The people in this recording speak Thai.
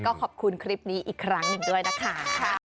ก็ขอบคุณคลิปนี้อีกครั้งหนึ่งด้วยนะคะ